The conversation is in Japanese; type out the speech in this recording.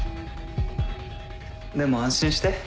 でも安心して。